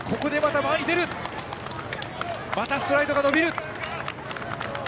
またストライドが伸びる。